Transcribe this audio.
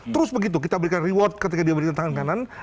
terus begitu kita berikan reward ketika dia memberikan tangan kanan